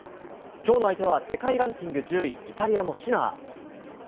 今日の相手は世界ランキング１０位イタリアのシナー。